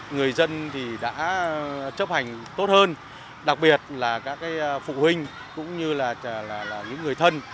người dân thì đã chấp hành tốt hơn đặc biệt là các phụ huynh cũng như là những người thân